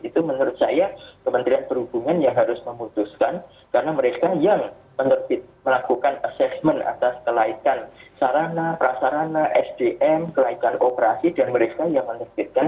itu menurut saya kementerian perhubungan yang harus memutuskan karena mereka yang melakukan assessment atas kelaikan sarana prasarana sdm kelaikan operasi dan mereka yang menerbitkan